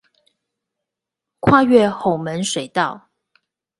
跨越吼門水道